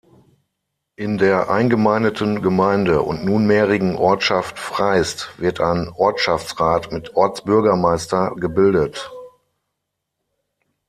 In der eingemeindeten Gemeinde und nunmehrigen Ortschaft Freist wird ein Ortschaftsrat mit Ortsbürgermeister gebildet.